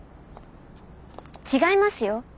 違いますよ。